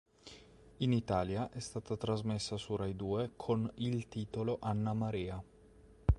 In Italia è stata trasmessa su RaiDue con il titolo "Anna Maria".